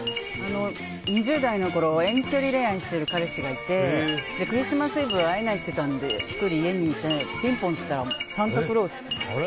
２０代のころ遠距離恋愛してる彼氏がいてクリスマスイブは会えないって言ってたので１人、家にいてピンポンしたらサンタクロース。